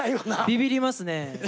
ビビりますね。